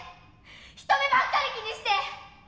人目ばっかり気にして！